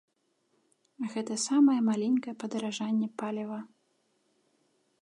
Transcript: Гэта самае маленькае падаражанне паліва.